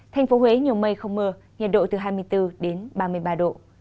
thành phố huế nhiều mây không mưa nhiệt độ từ hai mươi bốn đến ba mươi ba độ